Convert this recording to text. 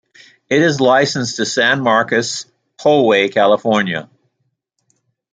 It is licensed to San Marcos-Poway, California.